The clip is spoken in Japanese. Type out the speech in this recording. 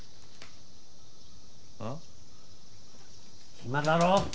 暇だろ？